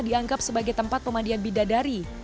dianggap sebagai tempat pemandian bidadari